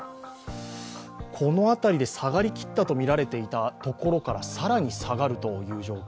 この辺りで下がりきったとみられていたところから更に下がるという状況。